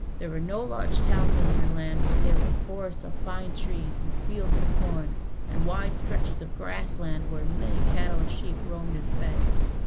There were no large towns in her land, but there were forests of fine trees, and fields of corn, and wide stretches of grass land where many cattle and sheep roamed and fed.